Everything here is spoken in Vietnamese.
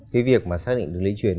cái việc mà xác định đường lây truyền